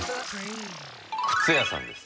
「靴屋さん」です